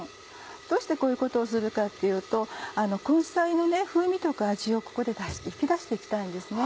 どうしてこういうことをするかっていうと根菜の風味とか味をここで引き出していきたいんですね。